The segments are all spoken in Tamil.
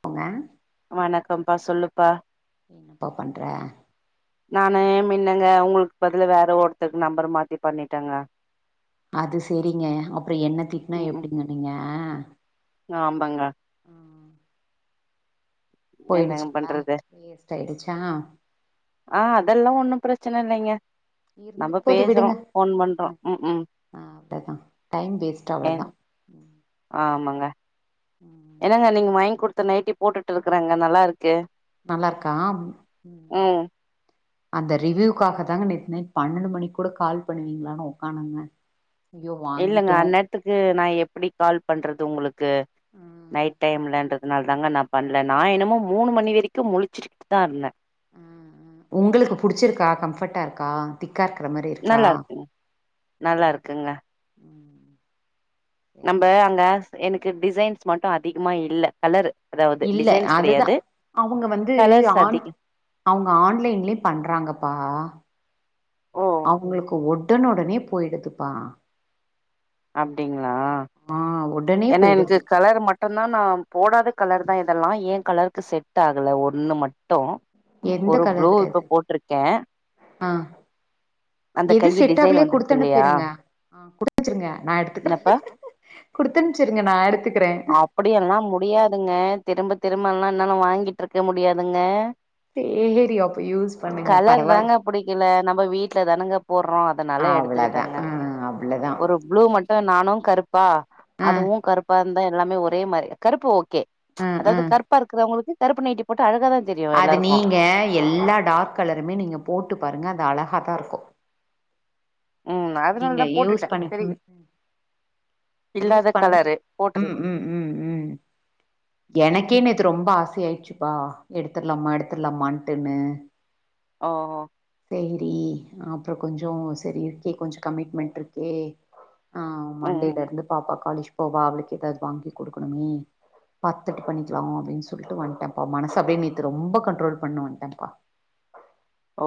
போங்க வணக்கம்ப்பா, சொல்லுப்பா என்னப்பா பண்ற நானு மின்னங்க உங்களுக்கு பதில வேற ஒருத்தருக்கு நம்பர் மாத்தி பண்ணிட்டங்க அது சேரிங்க, அப்பறோ என்ன திட்டினா ம் ம் எப்டிங்க நீங்க ஆமாங்க ம் என்னங்க போயிடுச்சுங்களா பண்றது வேஸ்ட் ஆயிடுச்சா ஆ அதெல்லா ஒண்ணு பிரச்சன இல்லைங்க, நம்ம இருந்துட்டு போது பேசுறோ விடுங்க ஃபோன் பண்றோ ம், ம் ஆ, அவ்ளோதா டைம் வேஸ்ட்டு ஏ அவ்ளோதா ம் ஆமாங்க ம் என்னங்க நீங்க வாங்கி குடுத்த நைட்டி போட்டுட்டு இருக்கறங்க நல்லா இருக் நல்லா இருக்கா, ம், ம் அந்த ரிவியூக்காக தாங்க நேத்து நைட்டு பன்னெண்டு மணிக்கு கூட கால் பண்ணுவீங்களானு ஒக்காந்துனுருந்தே இல்லைங்க அந்நேரத்துக்கு நா எப்டி கால் பண்றது உங்ளுக்கு ம் நைட் டைம்லன்றதுனாலதாங்க நா பண்ணல நா என்னமோ மூணு மணி வரைக்கு முழிச்சுக்கிட்டுதா இருந்தே ஆ ஆ உங்களுக்கு புடிச்சிருக்கா? கம்ஃபர்ட்டா இருக்கா? திக்காருக்குற மாரி இருக்கா நல்லாருக்குங்க, ம் நல்லாருக்குங்க ம் நம்ப சேரி அங்க எனக்கு டிசைன்ஸ் மட்டு அதிகமா இல்ல, கலரு இல்ல, அதுதா அவுங்க வந்து கலர்ஸ் ஆன் அதிக அவுங்க ஆன்லைன்லயு பண்றாங்கப்பா ஓ அவுங்களுக்கு ஓடன் ஒடனே போயிடுதுப்பா அப்படிங்களா ஆ ஒ ஏன்னா எனக்கு கலர் மட் மட்டுந் நா போடாத கலர் தா இதெல்லா ஏ கலருக்கு செட் ஆகுல ஒண்ணு மட்டு எந்த ஒரு ப்ளூ கலரு அது இப்போ போட்ருக்கே ஆ அந்த எது கையி டிசைன் செட்டாகலேயோ வந்திருக்கு இல்லையா குடுத்தனுப்பிருங்க ஆ குடுத்துருங்க நா எடுத்துக்கிறே என்னப்பா குடுத்தனுப்பிச்சுருங்க நா எடுத்துக்கிறே அப்படியெல்லா முடியாதுங்க திரும்ப திரும்பெல்லா என்னால வாங்கிட்ருக்க முடியாதுங்க சேரி அப்ப யூஸ் பண்ணுங்க கலர் பரவால்ல தாங்க புடிக்கல நம்ம வீட்டுல தானங்க போடுறோ அதனால அவ்ளதான் எடுத்துக்கிட்டேங்க ஆ அவ்ளதான் ஒரு ப்ளூ மட்டு நானுப கருப்பா ஆ அதுவு கருப்பாருந்தா எல்லாமே ஒரே மாரி கருப்பு ஓக்கே ம்ச் ஆ ஆ அதாவது கருப்பா இருக்குறவுங்களுக்கு கருப்பு நைட்டி போட்டா அழகா தா அது நீங்க எல்லா டார்க் கலருமே நீங்க போட்டு பாருங்க அது அழகா தா இருக்கு ம் நீங்க அதனாலதா யூஸ் போட்டுட்டே சரி பண்ணிப்போமே யூஸ் இல்லாத பண் கலரு உம் போட்டுர்லா உம் உம் உம் இல் எனக்கே நேத்து ரொம்ப ஆசையாயிடுச்சுப்பா எடுத்துடலாமா எடுத்துடலாமான்ட்டுன்னு ஆ ஆ சேரி அப்புறோ கொஞ்சு சேரி இருக்கே கொஞ்சு கமிட்மெண்ட் இருக்கே ஆ ம் மண்டேலருந்து பாப்பா காலேஜ் போவா அவளுக்கு எதாவது வாங்கி கொடுக்கணுமே பாத்துட்டு பண்ணிக்கலாமோ அப்டின்னு சொல்லிட்டு வட்டன்ப்பா மனச அப்படியே நேத்து ரொம்ப கண்ட்ரோல் பண்ணிட்டு வன்டேன்ப்பா ஓ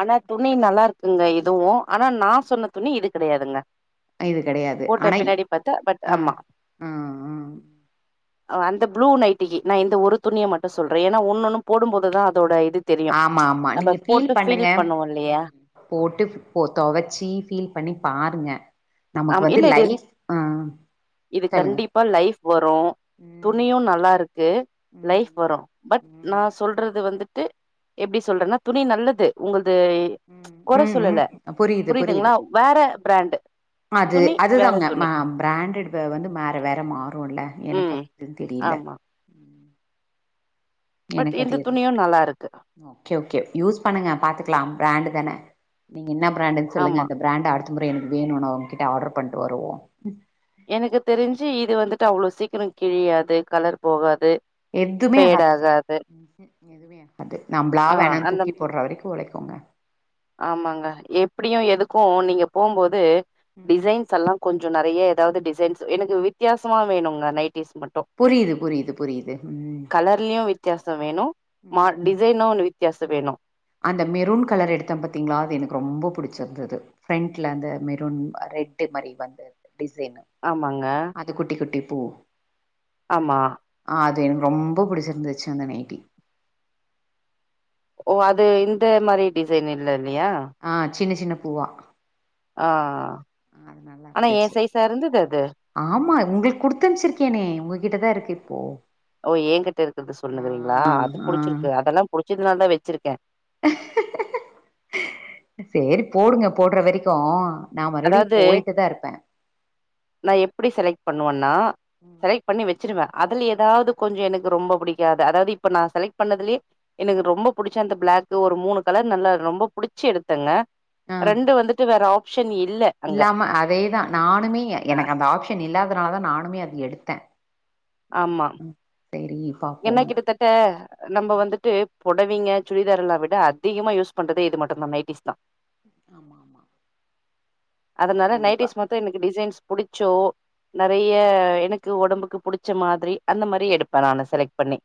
ஆனா துணி நல்லாருக்குங்க இதுவு ஆனா நா சொன்ன துணி இது கெடையாதுங்க இது கெடையாது போட்ட அண பின்னாடி பாத்தா பட் ஆ ஆமா ஆ ஆ அந்த ப்ளூ நைட்டிக்கு நா இந்த ஒரு துணிய மட்டு சொல்றே ஏன்னா ஒன்னு ஒன்னு போடும் போதுதா அதோட இது தெரியு ஆமா ஆமா நம்ம நீங்க போட்டு ஃபீல் பண்ணுங்க பண்ணுவோ இல்லையா போட்டு போ தொவச்சி ஃபீல் பண்ணி பாருங்க நமக்கு ஆமா வந்து இல்ல இது லைப் ஆ சொல்லுங்க அப்ப லைஃப் வரு ம் துணியு நல்லாருக்கு லைஃப் ம் வரு பட் ம் நா சொல்றது வந்துட்டு எப்டி ம் சொல்றேன்னா துணி நல்லது உங்கள்து ம்ச் ம் கொற ம் ம். சொல்லல புரியுது புரியுது புரியுதுங்களா வேற பிராண்டு அது துணி வேற அதுதாங்க ம துணி. பிராண்டட்டு வந்து வேற வேற மாறுல எனக்கு ம். அது எதுன்னு தெரியல ஆமா. ம் பட் இந்த துணியு நல்லாருக்கு ஓக்கே ஓக்கே யூஸ் பண்ணுங்க பாத்துக்கலா பிராண்டு தான நீங்க என்ன பிராண்டுன்னு சொல்லுங்க ஆமா. அந்த பிராண்டு அடுத்த முறை எனக்கு வேணும்னு நா அவுங்கிட்ட ஆர்டர் பண்ணிட்டு வருவோ எனக்கு தெரிஞ்சு இது வந்துட்டு அவ்ளோ சீக்கிரோ கிழியாது கலர் போகாது எதுமே ஃபேட் ஆகாதுங்க ஆகாது. ம் எதுமே ஆகாது நம்பளா ஆ வேணாம்னு அந்த தூக்கி போடுற வரைக்கு ஒழைக்குங்க ஆமாங்க எப்டியு எதுக்கு நீங்க போம்போது ம் டிசைன்ஸ் எல்லா கொஞ்சு நெறையா எதாவது டிசைன்ஸ் எனக்கு வித்தியாசமா வேணுங்க நைட்டிஸ் மட்டு புரியுது புரியுது புரியுது ம் கலர்லயு வித்தியாசோ வேணு மா ம் ம். டிசைனு வித்தியாசோ வேணு அந்த மெரூன் கலர் எடுத்தே பாத்திங்களா அது எனக்கு ரொம்ப புடிச்சிருந்தது ஃப்ரண்ட்ல அந்த மெரூன் ரெட்டு் மாரி வந்த டிசைனு ஆமாங்க அது குட்டி குட்டி பூ ஆமா ஆ அது எனக்கு ரொம்ப புடிச்சிருந்துச்சு அந்த நைட்டி ஓ அது இந்த மாரி டிசைன் இல்ல இல்லையா ஆ சின்ன சின்ன பூவா ஆ ஆ அது நல்லா ஆனா ஏ இருந்துச்சு சைசா இருந்தது அது ஆமா உங்களுக்கு குடுத்தனுச்சிருக்கேனே உங்ககிட்டதா இருக்கு இப்போ ஓ ஏன்கிட்ட இருக்குறது சொல்லுனுக்குறீங்களா ஆ அது ஆ புடிச்சிருக்கு அதெல்லா புடிச்சதுனால தா வச்சுருக்கே சேரி போடுங்க போடுற வரைக்கு நா மறுபடியு அதாவது போயிட்டு தா இருப்பே நா எப்புடி செலக்ட் பண்ணுவேன்னா செலக்ட் பண்ணி வச்சிருவே அதுல ஏதாவது கொஞ்சோ எனக்கு ரொம்போ புடிக்காது அதாவது இப்ப நா செலக்ட் பண்ணதுலயே எனக்கு ரொம்போ புடிச்சா அந்த பிளாக்கு ஒரு மூணு கலர் நல்லா ரொம்ப புடிச்சு எடுத்தங்க ஆ ரெண்டு வந்துட்டு வேற ஆப்ஷன் இல்ல அங்க இல்லாம அதேதா நானுமே எனக்கு அந்த ஆப்ஷன் இல்லாதனால தா நானுமே அத எடுத்தே ஆமா சேரி பாப்போ என்ன கிட்டத்தட்ட நம்ம வந்துட்டு பொடைவைங்க சுடிதாரல்லா விட அதிகமா யூஸ் பண்றதே இது மட்டு தா நைட்டிஸ் தா ஆமா ஆமா அதனால கண்டிப்பா நைட்டீஸ் மட்டு எனக்கு டிசைன்ஸ் புடிச்சோ நறைய எனக்கு ஒடம்புக்கு புடிச்ச மாதிரி அந்த மாதிரி எடுப்பே நா செலக்ட் பண்ணி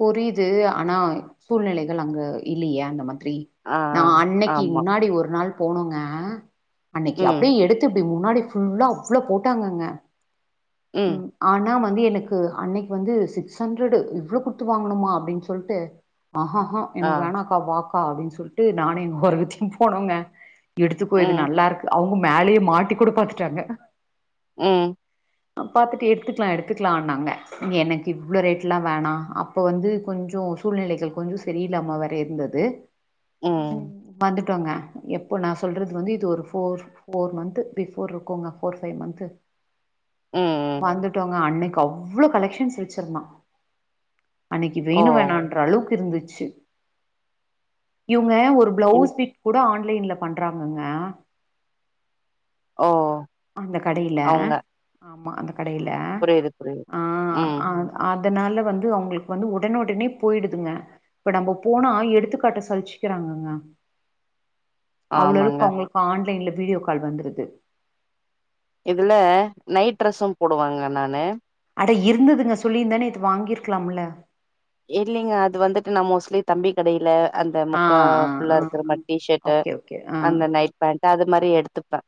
புரியுது ஆனா சூழ்நெலைகள் அங்க இல்லையே அந்த மாதிரி ஆ நா அன்னைக்கி ஆமா. முன்னாடி ஒரு நாள் போனோங்க அன்னைக்கி ம். அப்புடியே எடுத்து இப்புடி முன்னாடி ஃபுல்லா அவ்ளோ போட்டாங்கங்க ம் ஆனா வந்து எனக்கு அன்னைக்கி வந்து சிக்ஸ் ஹண்டரு இவ்ளோ குத் த்து வாங்கணுமா அப்புடின்னு சொல்ட்டு ஆஹாஹா ஆ. எனக்கு வேணா க்கா வாக்கா அப்புடின்னு சொல்லிட்டு நானு எங்க ஒரவத்தியு போனோங்க எடுத்துக்கோ இது ம். நல்லாருக் அவுங்க மேலையே மாட்டி கூட பாத்துட்டாங்க ம் பாத்துட்டு எடுத்துக்கலா எடுத்துக்கலான்னாங்க எனக்கு இவ்ளோ ரேட்லா வேணா அப் இப்ப வந்து கொஞ்சோ சூழ்நிலைகள் கொஞ்சோ சரியில்லாம வேற இருந்தது ம். வந்துட்டோங்க எப்போ நா சொல்றது வந்து இது ஒரு ஃபோர் ஃபோர் மந்த் பிஃபோர் இருக்குங்க ஃபோர் ஃபைவ் மந்த்து ம். வந்துட்டோங்க அன்னைக்கி அவ்ளோ கலெக்க்ஷன்ஸ் வச்சிருந்தா அன்னைக்கி ஓ! வேணு வேணான்ற அளவுக்கு இருந்துச்சு இவுங்க ஒரு ம். பிளௌஸ் பீட் கூட ஆன்லைன்ல கூட பண்றாங்கங்க ஓ அந்த கடையில அவங்க. ஆமா அந்த கடையில புரியுது, புரியுது. ஆ ம். அங் அதனால வந்து அவுங்களுக்கு வந்து ஒடனே ஒடனே போயிடுதுங்க இப்ப நம்ம போனா எடுத்துக்காட்ட சழிச்சுக்குறாங்கங்க அவ்ளுகளுக்கு ஆமாங்க. அவுங்குளுக்கு ஆன்லைன்ல வீடியோ கால் வந்துருது இதுல நைட் ட்ரெஸ்சு போடுவாங்க நானு அட இருந்ததுங்க சொல்லிருந்தே நேத்து வாங்கிருக்குலாம்ல்ல இல்லலைங்க அது வந்துட்டு நா மோஸ்ட்லி தம்பி கடையில அந்த ஆ முக்கா ஆ ஃபுல்லா ஆ இருக்கிற ஆ மாரி டீ ஷர்ட்டு ஓகே ஓகே ஆ அந்த நைட் பேண்ட்டு அது மாரி எடுத்துப்பே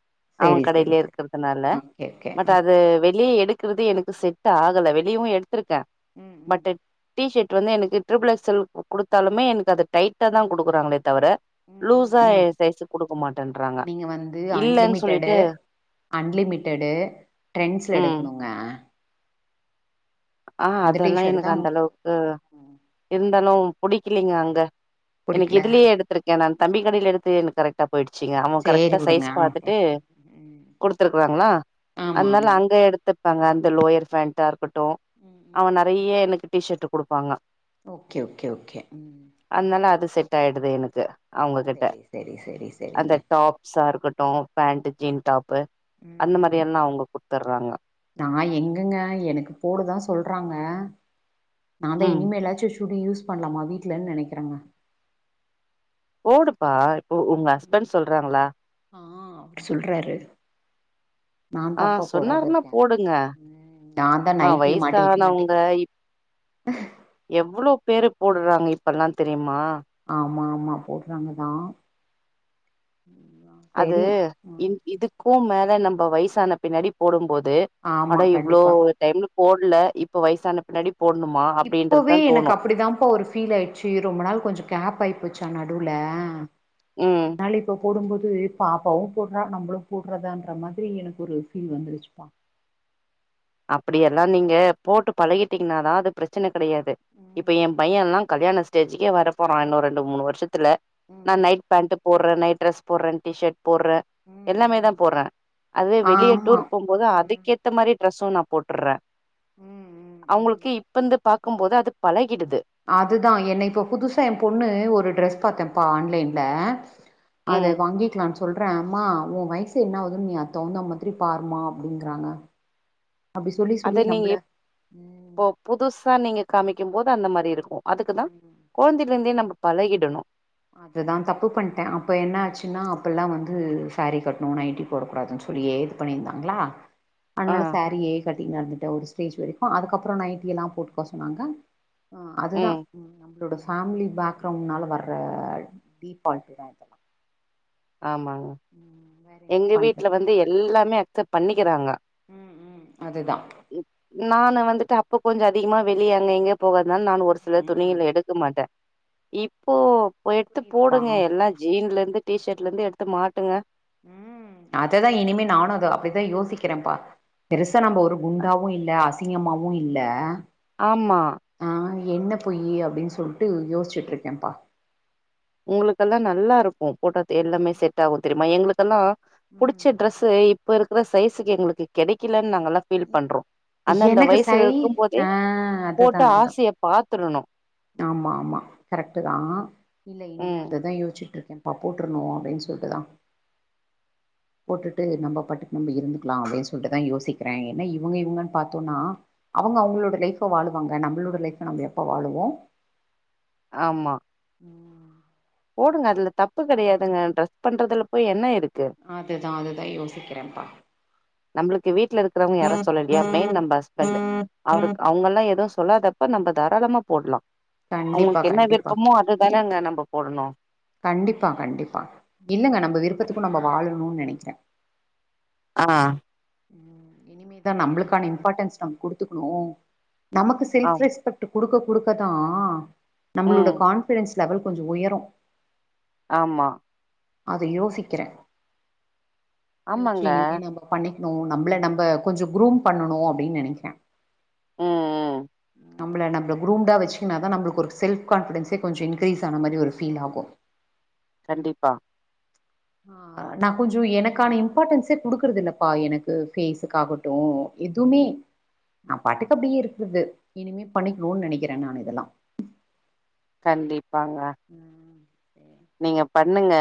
அவ சேரி சேரி கடையிலே சேரி இருக்கிறதுனால ஓகே ஓகே பட் அது வெளிய எடுக்குறது எனக் செட் ஆகல வெளியு எடுத்திருக்கே ம் ம் பட்டன் டி ஷர்ட் வந்து எனக்கு ட்ரிபி எக்ஸ் எல் குடுத்தாலுமே எனக்கு அது டைட்டா தா குடுக்குறாங்களே தவிர ம் ம் லூஸா எ ம் சைஸுக் குடுக்க மாட்டேன்றாங்க நீங்க இல்லன் சொல்லீட்டு அன்லிமிட்டேடு ட்ரெண்ட்ஸ்ல ம் எடுக்குணுங்க ஆ அந்த டி அதெல்லா ஷர்ட் எனக்கு தா அந்த உங்களுக்கு அளவுக் கு ம் இருந்தாலு புடிக்கிலிங்க அங்க எனக்கு புடிக்கல இதுலயே எடுத்துருக் கே நா தம்பி கடைய்ல எடுத்து எனக் கரெக்டா போயிடுச்சிங்க அவ சேரி கரெக்டா விடுங்க சைஸ் ஆமா பாத்துட்டு ம் குடுத்துருக்குறாங்ளா ஆமா அதனால ஆமா அங்க எடுத்துப்பங்க அந்த லோயர் பேண்டா இருக்கட்டு ம் அவ ம் நெறைய எனக்கு டி ஷர்ட்டு குடுப்பாங்க ஓகே ஓகே ஓகே ம் அதனால அது செட்டாயிடுது எனக்கு செரி செரி செரி செரிங்க ச இருக்கட்டு பேண்டு ஜீன் டாப்பு ம் அந்த மாரி ம் எல்லா அவுங்க குடுத்தறாங்க நா எங்கங்க எனக்கு போடுதா சொல்றாங்க நா தா ம் இனிமேல்லாச்சு சுடி யூஸ் பண்ணலாமா வீட்லன் நெனைக்கிறங்க போடுப்பா இப்போ உங்க ஹஸ்பண்ட் சொல்றாங்ளா ஆ சொல்றாரு நா ஆ தாப்பா போடாது சொன்னாருன்னா இருக்கே போடுங்க ம் நா தா மா நைட்டிய மாட்டிட்டு வய்சானவங்க மாட்டிட்டு எவ்ளோ பேரு போட்றாங்க இப்பல்லா தெரிய்மா ஆமாமா போட்றாங்க தா அது இ இதுக்கு மேல நம்ம வயசான பின்னாடி போடும்போது ஆமா அட இவ்ளோ கண்டிப்பா டைம்ல போட்ல இப்ப வயசான பின்னாடி போட்ணுமா இப்போவே அப்டின்றதுதா எனக்கு தோணு அப்டிதாப்ப ஒரு ஃபீல் ஆயிட் சீ ரொம்ப நாள் கொஞ்ச கேப்பாய் போச்சா நடுவுல ம் ஆனாலு இப்ப போடும்போது பாப்பாவு போட்றா நம்ளு போட்றதான்ற மாதிரி எனக்கு ஒரு ஃபீல் வந்துருச்சுப்பா அப்டியெல்லா நீங்க போட்டு பழகிட்டிங்ன்னாதா அது பிரச்சன கெடையாது இப்ப எ ம் பைய்யல்லா கல்யாண ஸ்டேஜுக்கே வரப்போறா இன்னு ரெண்டு மூணு வருஷத்துல நா ம் நைட் பேண்ட் போட்றே நைட் ட்ரெஸ் போட்றே டி ஷர்ட் போட்றே ம் எல்லாமே தா ம் போட்றே அது வெளிய ஆமா டூர் போம்போது ம் அதுக்கேத்த மாரி டிரெஸ்ஸு நா போட்டுறே ம் ம் ம் அவ்ங்களுக்கு இப்ப இந்த பாக்கும்போது அது பழகிடுது அதுதா என்ன இப்ப புதுசா எ பொண்ணு ஒரு ட்ரெஸ் பாத்தேப்பா ஆன்லைன்ல அத ம் வாங்கிக்கலான் சொ சொல்றே அம்மா உ வய்சு என்ன ஆகுதுன் நீ அத்தகுந்த மாதிரி பாருமா அப்டிங்கறாங்க அப்டி சொல்லி அப்ப சொல்லி நீங்க நம்மள எப் இப்போ ம் புதுசா நீங்க காமிக்கும்போது அந்த மாரி இருக்கு அதுக்கு தா ம் கொழந்தைலருந்தே நம்ம பழகிடணு அதுதா தப்பு பண்ட்டே அப்ப என்னாச்சுன்னா அப்பல்லா வந்து சேரி கட்ணு நைட்டி போடக்க கூடாதுன்னு சொல்லியே இது பண்ணியிருந்தாங்ளா அதனால ஆ சோரீயே கட்டி நடந்துட்ட ஒரு ஸ்டேஜ் வரைக்கு அதுக்கப்றோ நைட்டி எல்லா போட்டுக்கோ சொன்னாங்க ஆ அதுதா ம் நம்மளோட ஃபேமிலி பேக்கிரவுண்ட்னால வர்ற டீ ஃபால்ட் தா ஆமாங்க ம் வேற என்ன எங்க வீட்ல பண்றதுப்பா வந்து எல்லாமே அக்செப்ட் பண்ணிக்கிறாங்க அதுதா நானு வந்துட்டு அப்ப கொஞ்சோ அதிகமா வெளிய அங்க இங்க போகாதுனால நா ஒரு சில ம் ம் துணிகள எடுக்க மாட்டே இப்போ எடுத்து புரியுதுப்பா போடுங்க எல்லா ஜீன்ல இருந்து டீஷர்ட்ல இருந்து எடுத்து மாட்டுங்க ம் அததா இனிமே நானு அப்படிதா யோசிக்கிறேன்ப்பா பெருசா நம்ம ஒரு குண்டாவு இல்ல அசிங்கமாவு இல்ல ஆமா ஆ என்ன பொயி அப்டின்னு சொல்ட்டு யோசிச்சுட்டு இருக்கேன்ப்பா உங்களுக்கெல்லா நல்லா இருக்கு போட்டத்து எல்லாமே செட் ஆகு தெரியுமா எங்களுக்கெல்லா ம் புடிச்ச ட்ரெஸ்சு இப்ப இருக்கிற சைஸுக்கு எங்களுக்கு கிடைக்கலன் நாங்கள்ளா ஃபீல் பண்றோ அந்தந்த எனக்கு சை வயசுல இருக்கும் போதே ஆ அதுதா போட்டு அதுதா ஆசைய பாத்துறணு ஆமா ஆமா கரெக்டு தா இல்ல இனிமே ம் அத தா யோசிச்ட்ருக்கே அப்ப போட்ரணு அப்டின்னு சொல்ட்டு தா [inaudible] போட்டுட்டு நம்ம பாட்டுக்கு நம்ம இருந்துக்லா அப்டின்னு சொல்ட்டுதா யோசிக்கிற ஏன்னா இவுங்க இவுங்கன் பார்த்தோனா அவுங்க அவுங்களோட லைஃப் வாழுவாங்க நம்மளோட லைஃப்ப நம்ம எப்ப வாழுவோ ஆமா [inaudible] போடுங்க அதுல தப்பு கடையாதுங்க ட்ரெஸ்ட் பண்றதுல போய் என்ன இருக்கு அது தா அது தா யோசிக்கிறன்பா நம்மளுக்கு வீட்ல இருக்கிறவங்க யாரு சொல்லல என் மெயின் நம்ம ஹஸ்பண்ட் அவரு அவுங்கள்ளா எதுவு சொல்லாதப்ப நம்ம தாராளமா போட்லா கண்டிப்பா அவுங்களுக்கு என்ன கண்டிப்பா விருப்பமோ அதுதானங்க நம்ம போடணு கண்டிப்பா கண்டிப்பா இல்லங்க நம்ம விருப்பத்துக்கு நம்ம வாழணுனு நெனைக்ற ஆ இனிமேதா நம்மளுக்கான இம்பார்ட்டன்ஸ் நம் குடுத்துக்கணு நமக்கு செல்ப் ஆம் ரெஸ்பெக்ட் டு குடுக்க குடுக்க தா நம்மளோட ம் கான்பிடன்ஸ் லெவல் கொஞ்ச உயரும் ஆமா அத யோசிக்கிற யோய்சி ஆமாங்க இனிமே நம்ம பண்ணிக்ணு நம்மள நம்ம கொஞ்ச குரூம் பண்ணணு அப்டின்னு நினைக்கிற ஆ ஆ நம்மள நம்ம குரூம்டா வச்சுக்கினாதா நம்மளுக்கு ஒரு செல்ஃப் கான்பிடன்ஸே கொஞ்சோ இன்கிரீஸ் ஆன மாரி ஒரு ஃபீல் ஆகு கண்டிப்பா ஆ நா கொஞ்சோ எனக்கான இம்பார்ட்ன்ஸே குடுக்குறது இல்லப்பா எனக்கு பேஸுக்காகு எதுவுமே நா பாட்டுக்கு அப்டியே இருக்குது இனிமே பண்ணிக்கணு நனைக்கிற நா இதெல்லா கண்டிப்பாங்க [inaudible] நீங்க பண்ணுங்க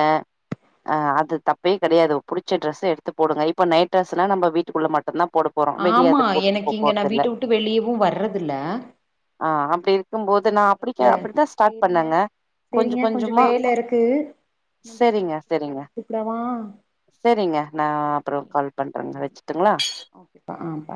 ஆ அது தப்பே கடையாது புடிச்ச டிரெஸ்ஸ எடுத்து போடுங்க இப்ப நைட் ட்ரெஸ்ஸுலா நம்ப வீட்டுக்குள்ள மட்டுந்தா போட போறோ வெளிய ஆமா அது போட்டுட்டு எனக்கு போ இங்க நா போறதில்ல வீட்ட விட்டு வெளியவு வர்றதில்ல ஆ அப்டி இருக்கும் ஆ, போது நா அப்டி தா அப்டிதா ஸ்டார்ட் சேரிங்க பண்ணங்க கொஞ்ச கொஞ்சமா இருக்கு முடிச்சிட்ட கா கூப்டவா சேரிங்க நா அப்ரோ கால் பண்றேங்க வச்சுட்டுங்களா ப்ப ஆ பா